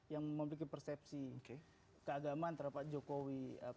yang memiliki persepsi keagamaan terhadap pak jokowi